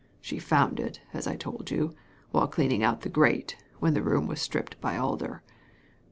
She found it, as I told you, while cleaning out the grate, when the room was stripped by Alder.